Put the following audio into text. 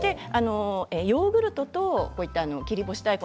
ヨーグルトと切り干し大根